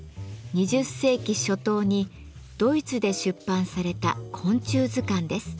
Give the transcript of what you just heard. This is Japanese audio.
２０世紀初頭にドイツで出版された昆虫図鑑です。